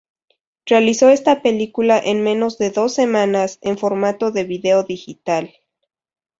Realizó esta película en menos de dos semanas, en formato de vídeo digital.